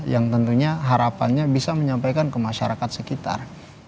yang tentunya harapannya bisa menyampaikan ke masyarakat sekitar